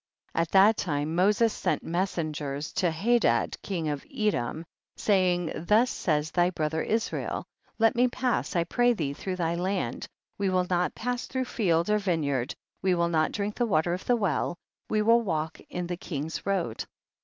25. At that lime Moses sent mes sengers to Hadad king of Edom, say ing, thus says thy brother Israel, let me pass I pray thee through thy land, we will not pass through field or vine yard, we will not drink the water of the well ; we will walk in the king's road.